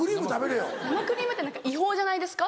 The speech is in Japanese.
生クリームって違法じゃないですか？